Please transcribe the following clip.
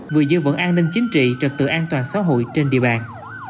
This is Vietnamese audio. vừa giữ vững an ninh chính trị trật tự an toàn xã hội trên địa bàn